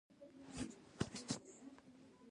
د جوزجان په درزاب کې څه شی شته؟